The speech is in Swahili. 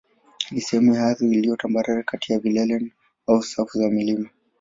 ni sehemu ya ardhi iliyo tambarare kati ya vilele au safu za milima.